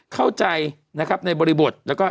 เข้าใจนะครับในบริบทแล้วก็